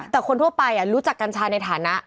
แต่คนทั่วไปรู้จักกัญชาในฐานะ